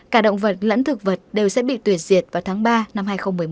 cả động vật lẫn thực vật đều sẽ bị tuyệt diệt vào tháng ba năm hai nghìn một mươi bảy